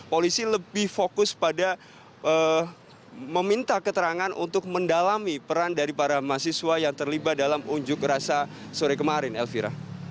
polisi lebih fokus pada meminta keterangan untuk mendalami peran dari para mahasiswa yang terlibat dalam unjuk rasa sore kemarin elvira